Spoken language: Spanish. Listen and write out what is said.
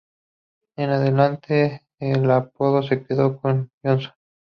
En adelante, el apodo se quedó con Johnson.